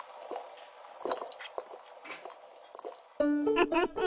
フフフフ。